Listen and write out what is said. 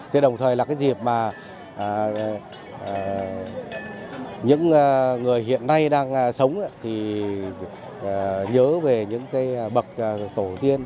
thế đồng thời là cái dịp mà những người hiện nay đang sống thì nhớ về những cái bậc tổ tiên